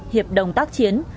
hiệp đồng tác chiến